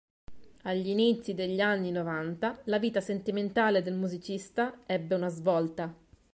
Agli inizi degli anni novanta la vita sentimentale del musicista ebbe una svolta.